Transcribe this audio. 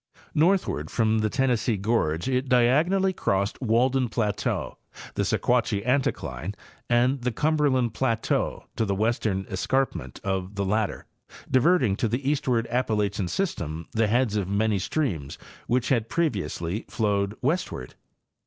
Northward from the Tennessee gorge it diagonally crossed Wal den plateau, the Sequatchie anticline and the Cumberland plateau to the western escarpment of the latter, diverting to the eastward Appalachian system the heads of many streams which had previously flowed westward.